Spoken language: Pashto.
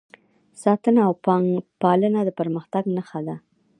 ساتنه او پالنه د پرمختګ نښه ده.